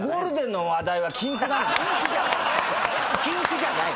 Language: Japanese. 禁句じゃない。